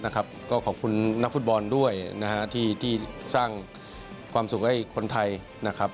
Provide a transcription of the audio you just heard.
ก็ขอบคุณนักฟุตบอลด้วยนะฮะที่สร้างความสุขให้คนไทยนะครับ